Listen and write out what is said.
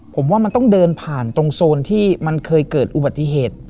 ผมว่ามันต้องเดินผ่านตรงโซนที่มันเคยเกิดอุบัติเหตุ